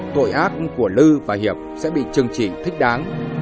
tội ác của lư và hiệp sẽ bị trừng trị thích đáng